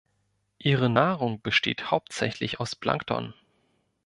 Ihre Nahrung besteht hauptsächlich aus Plankton.